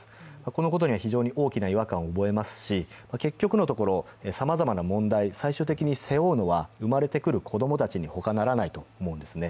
このことには非常に大きな違和感を覚えますし、結局なところ、さまざまな問題を背負うのは生まれてくる子供たちにほかならないと思うんですね。